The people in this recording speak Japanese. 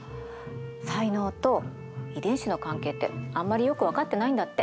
才能と遺伝子の関係ってあんまりよく分かってないんだって。